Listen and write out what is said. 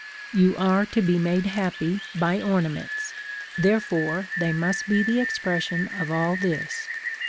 You are to be made happy by ornaments; therefore they must be the expression of all this.